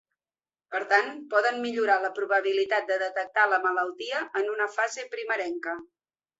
Per tant, poden millorar la probabilitat de detectar la malaltia en una fase primerenca.